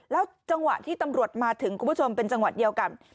แล้วจังหวะที่ตำรวจมาถึงคุณผู้ชมเป็นจังหวะเดียวกัน